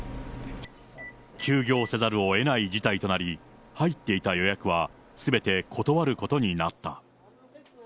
休業せざるをえない事態となり、入っていた予約はすべて断ることになった。